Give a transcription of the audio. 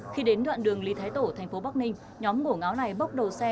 khi đến đoạn đường lý thái tổ thành phố bắc ninh nhóm ngổ ngáo này bốc đầu xe